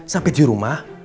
sampai di rumah